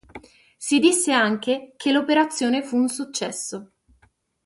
Si disse anche che l’operazione fu un successo.